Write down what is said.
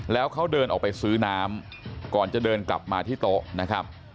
แล้วเขาเดินออกไปซื้อน้ำก่อนจะเดินกลับมาที่โต๊ะนะครับ